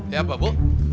iya pak bu